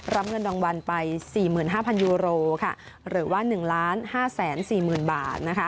รับเงินดังวัลไป๔๕๐๐๐ยูโรหรือว่า๑๕๔๐๐๐๐บาท